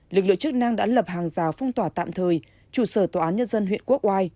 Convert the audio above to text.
lực lượng chức năng đã lập hàng rào phong tỏa tạm thời trụ sở tòa án nhân dân huyện quốc oai